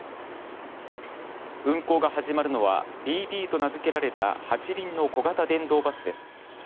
運行が始まるのはビービーと名付けられた８輪の小型電動バスです。